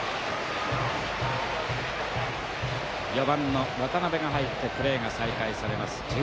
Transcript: ４番の渡部が入ってプレーが再開されます